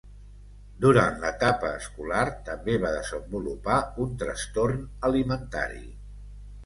Durant l'etapa escolar també va desenvolupar un trastorn alimentari.